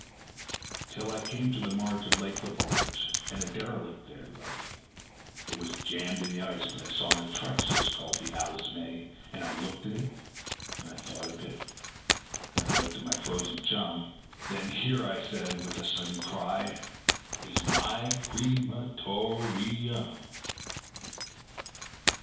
Till I came to the marge of Lake Lebarge, and a derelict there lay; It was jammed in the ice, but I saw in a trice it was called the "Alice May". And I looked at it, and I thought a bit, and I looked at my frozen chum; Then "Here", said I, with a sudden cry, "is my cre ma tor eum."